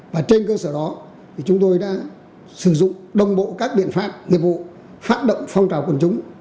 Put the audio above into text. và trên cơ sở đó thì chúng tôi đã sử dụng đồng bộ các biện pháp nghiệp vụ phát động phong trào quần chúng